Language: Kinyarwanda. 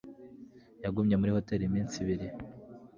yagumye muri hoteri iminsi ibiri